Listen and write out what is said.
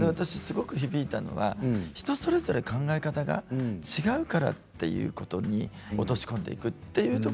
すごく響いたのは人それぞれ考え方が違うからというところに落とし込んでいく。